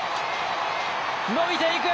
伸びていく。